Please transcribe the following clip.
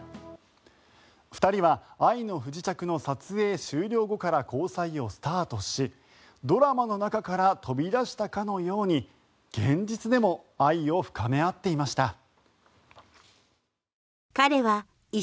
２人は「愛の不時着」の撮影終了後から交際をスタートしドラマの中から飛び出したかのように現実でも愛を深め合っていました。